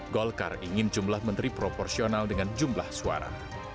golkar ingin jumlah menteri proporsional dengan jumlah suara